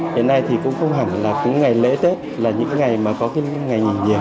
hiện nay thì cũng không hẳn là cứ ngày lễ tết là những ngày mà có cái ngày nghỉ nhiều